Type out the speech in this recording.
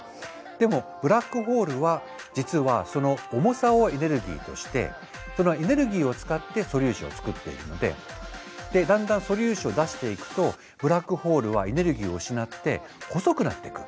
でもブラックホールは実はその重さをエネルギーとしてそのエネルギーを使って素粒子を作っているのでだんだん素粒子を出していくとブラックホールはエネルギーを失って細くなっていく。